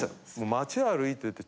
街歩いてて。